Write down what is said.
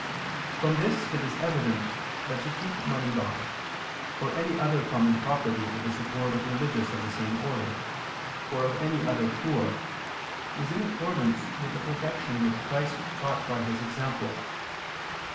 From this it is evident that to keep money by, or any other common property for the support of religious of the same order, or of any other poor, is in accordance with the perfection which Christ taught by His example.